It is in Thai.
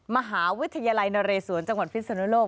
มหาวิทยาลัยนเรศวรจังหวัดพิศนุโลก